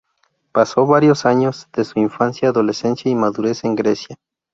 Paso varios años de su infancia, adolescencia y madurez en Grecia.